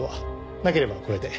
なければこれで。